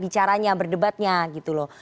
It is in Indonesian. bicaranya berdebatnya gitu loh